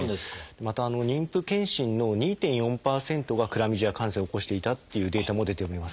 また妊婦健診の２．４％がクラミジア感染を起こしていたっていうデータも出ております。